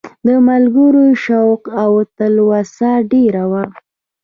د ملګرو شوق او تلوسه ډېره وه.